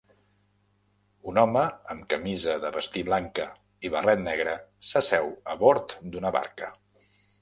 Un home amb camisa de vestir blanca i barret negre s'asseu a bord d'una barca.